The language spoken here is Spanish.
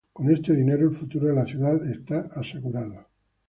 Con este dinero el futuro de la "ciudad" está asegurado.